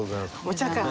お茶か。